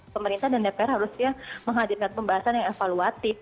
pemerintah dan dpr harusnya menghadirkan pembahasan yang evaluatif